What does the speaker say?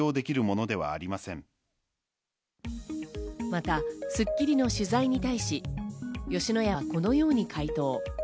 また『スッキリ』の取材に対し、吉野家はこのように解答。